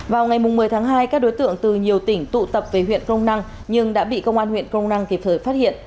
vào ngày một mươi tháng hai các đối tượng từ nhiều tỉnh tụ tập về huyện crong năng nhưng đã bị công an huyện crong năng kịp thời phát hiện